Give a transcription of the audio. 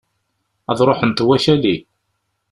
Ad ruḥent wakali!